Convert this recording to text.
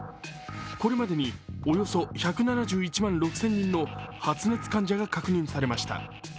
これまでに、およそ１７１万６０００人の発熱患者が確認されました。